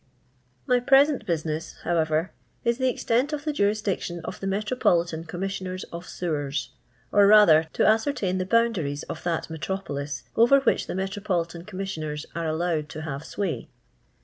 My present business, however, is the extent of the jurisdiction of the Metropolitan Commissioners of Sewers^ or rather to ascertain the boundaries of that metropolis over which the Metropolitan Com missioners arc allowed to have sway.